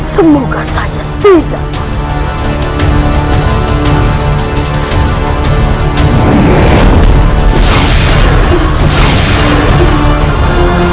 semoga saja tidak papa